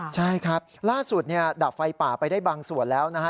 ใช่ครับล่าสุดดับไฟป่าไปได้บางส่วนแล้วนะฮะ